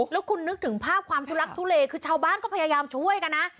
แล้วคุณนึกถึงภาพความทุลักทุเลคือชาวบ้านก็พยายามช่วยกันนะ